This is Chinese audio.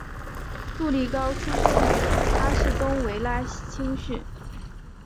杜利高出身于阿士东维拉青训。